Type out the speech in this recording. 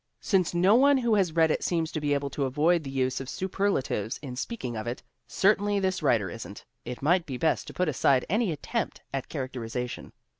Since no one who has read it seems to be able to avoid the use of superlatives in speaking of it certainly this writer isn't it might be best to put aside any attempt at characterization.